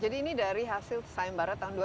jadi ini dari hasil saembara tahun dua ribu tujuh